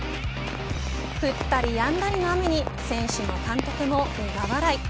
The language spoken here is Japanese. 降ったりやんだりの雨に選手も監督も苦笑い。